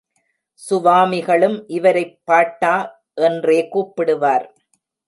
சுவாமிகளும் இவரைப் பாட்டா என்றே கூப்பிடுவார்.